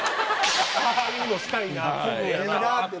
ああいうのしたいなって？